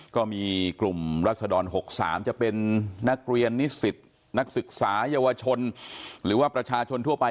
ก็มีกลุ่มรัศดร๖๓จะเป็นนักเรียนนิสิตนักศึกษาเยาวชนหรือว่าประชาชนทั่วไป